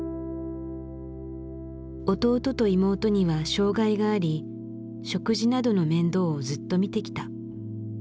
弟と妹には障害があり食事などの面倒をずっと見てきた。